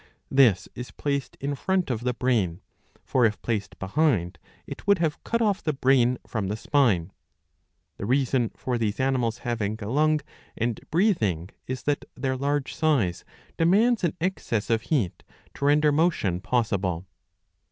This is placed in front of the brain ; for, if placed behind, it would have cut off the brain from the spine.'*^ The reason for these animals having a lung and breathing, is that their large size demands an excess of heat, to render motion possible.'